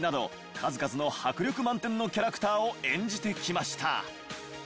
数々の迫力満点のキャラクターを演じてきました。